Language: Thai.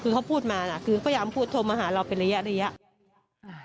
คือเขาพูดมานะคือพยายามพูดโทรมาหาเราเป็นระยะ